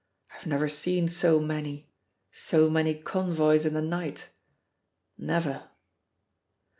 I've never seen so many, so many convoys in the night, never!"